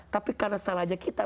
tapi karena salahnya kita